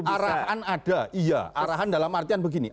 arahannya ada iya arahannya dalam artian begini